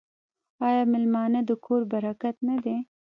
آیا میلمه د کور برکت نه دی؟